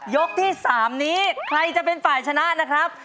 ยกที่๓นี้ใครจะเป็นฝ่ายชนะนะครับ